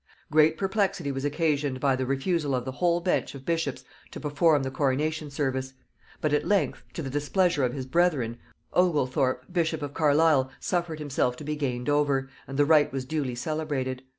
Great perplexity was occasioned by the refusal of the whole bench of bishops to perform the coronation service; but at length, to the displeasure of his brethren, Ogelthorp bishop of Carlisle suffered himself to be gained over, and the rite was duly celebrated.